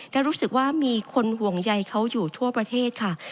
และรู้สึกว่ามีคนห่วงใยเขาอยู่ทั่วประเทศค่ะ